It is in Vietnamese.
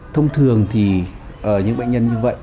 thông thường thì những bệnh nhân như vậy